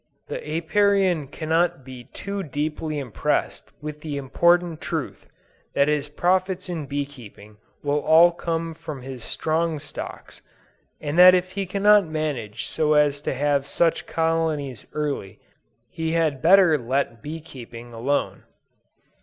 The Apiarian cannot be too deeply impressed with the important truth, that his profits in bee keeping will all come from his strong stocks, and that if he cannot manage so as to have such colonies early, he had better let bee keeping alone.